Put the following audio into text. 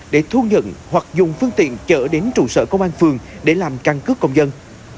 để thu nhận hoặc dùng phương tiện chở đến trụ sở công an phường để làm căn cước công dân